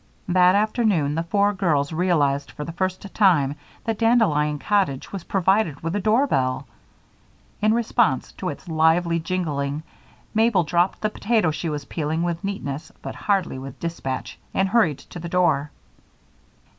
That afternoon the four girls realized for the first time that Dandelion Cottage was provided with a doorbell. In response to its lively jingling, Mabel dropped the potato she was peeling with neatness but hardly with dispatch, and hurried to the door.